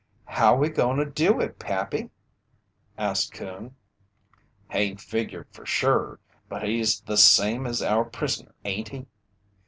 "How we gonna do it, Pappy?" asked Coon. "Hain't figured fer sure, but he's the same as our prisoner, ain't he?